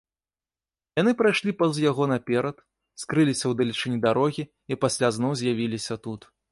Яны прайшлі паўз яго наперад, скрыліся ў далечыні дарогі і пасля зноў з'явіліся тут.